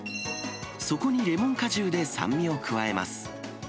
そこにレモン果汁で酸味を加えます。